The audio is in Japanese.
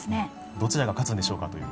どちらが勝つんでしょうかという。